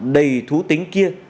đầy thú tính kia